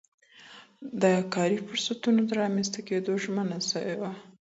د کاري فرصتونو د رامنځته کيدو ژمنه سوي ده.